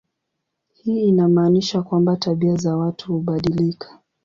Hii inamaanisha kwamba tabia za watu hubadilika.